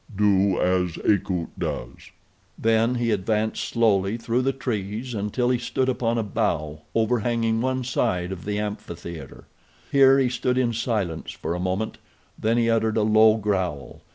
Do as Akut does." Then he advanced slowly through the trees until he stood upon a bough overhanging one side of the amphitheater. Here he stood in silence for a moment. Then he uttered a low growl.